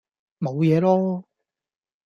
冇嘢囉